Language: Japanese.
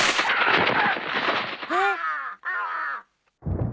えっ？